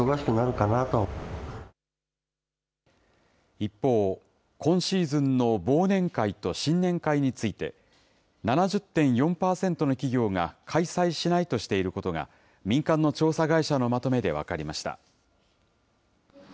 一方、今シーズンの忘年会と新年会について、７０．４％の企業が開催しないとしていることが、民間の調査会社のまとめで分かりました。